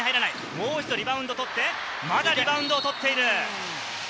もう一度リバウンドを取って、まだリバウンドを取っている。